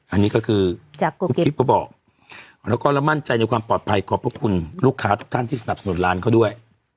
อันนี้ก็คือจากคุณกิฟต์ก็บอกแล้วก็มั่นใจในความปลอดภัยขอบพระคุณลูกค้าทุกท่านที่สนับสนุนร้านเขาด้วย